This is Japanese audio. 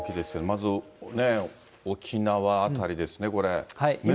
まず、沖縄辺りですね、これ。